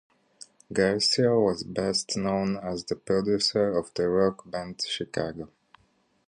Guercio was best known as the producer of the rock band Chicago.